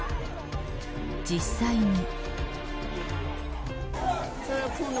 実際に。